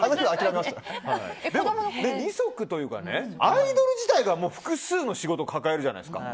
二足というかねアイドル自体がもう複数の仕事を抱えるじゃないですか。